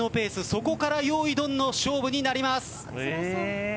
そこからよーいドンの勝負になります。